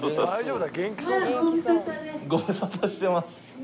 ご無沙汰してます